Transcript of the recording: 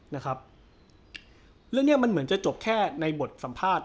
เรื่องเนี้ยมันเหมือนจะจบแค่ในบทสัมภาษณ์